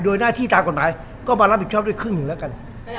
โดยหน้าที่ตามกฎหมายก็มารับผิดชอบด้วยครึ่งหนึ่งแล้วกัน